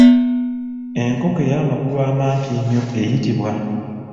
Enkoko ey’amagulu amampi ennyo eyitibwa.